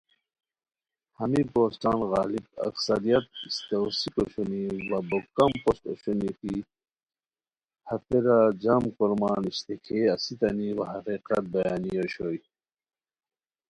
ہمی پوسٹان غالب اکثریت استاؤسیک اوشونی وا بوکم پوسٹ اوشونی کی ہتیرا جم کورمان اشتکھئیے اسیتانی وا حقیقت بیانی اوشوئے)